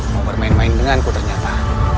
mau bermain main denganku ternyata